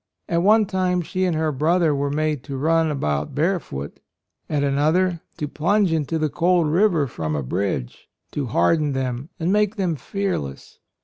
At one time she and her brother were made to run about barefoot, at another to plunge into the cold river from a bridge, to "harden" them and make them fearless.